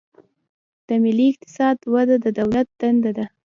د ملي اقتصاد وده د دولت دنده ده.